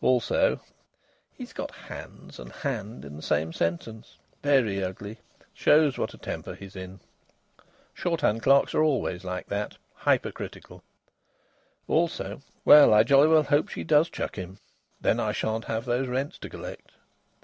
Also: "He's got 'hands' and 'hand' in the same sentence. Very ugly. Shows what a temper he's in!" Shorthand clerks are always like that hypercritical. Also: "Well, I jolly well hope she does chuck him! Then I shan't have those rents to collect."